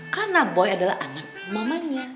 karena boy adalah anak mamanya